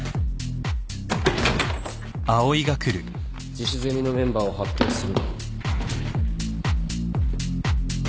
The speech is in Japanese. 自主ゼミのメンバーを発表する。